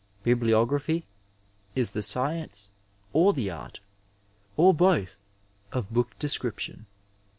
Bibliography is the science or the art, or both, of book description."